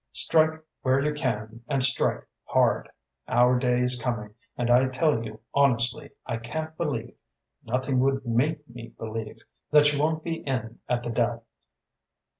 Strike where you can and strike hard. Our day is coming and I tell you honestly I can't believe nothing would make me believe that you won't be in at the death."